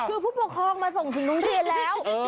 คือผู้ปกครองมาส่งถึงโรงเรียนแล้ว